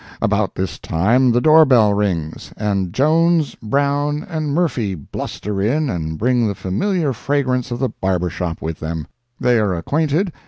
About this time the door bell rings, and Jones, Brown and Murphy bluster in and bring the familiar fragrance of the barber shop with them. They are acquainted.